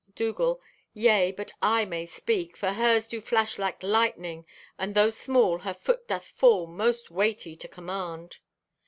Dougal.—"Yea, but eye may speak, for hers do flash like lightning, and though small, her foot doth fall most weighty to command.